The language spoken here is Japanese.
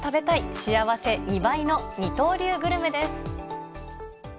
幸せ２倍の二刀流グルメです。